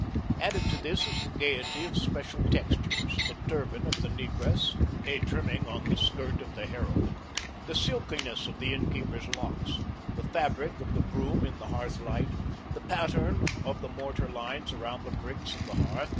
Added to this is the gayety of special textures: the turban of the negress, a trimming on the skirt of the heroine, the silkiness of the innkeeper's locks, the fabric of the broom in the hearthlight, the pattern of the mortar lines round the bricks of the hearth.